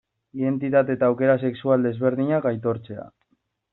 Identitate eta aukera sexual desberdinak aitortzea.